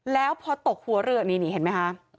แล้วพอตกหัวเรือนี่เห็นไหมคะ